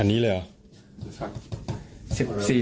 อันนี้เลยเหรอ